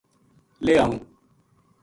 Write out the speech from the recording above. لے آؤں